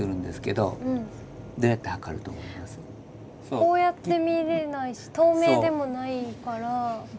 こうやって見れないし透明でもないから。